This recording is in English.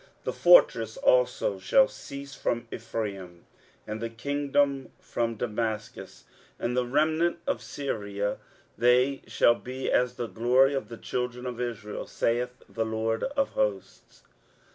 23:017:003 The fortress also shall cease from Ephraim, and the kingdom from Damascus, and the remnant of Syria: they shall be as the glory of the children of Israel, saith the LORD of hosts.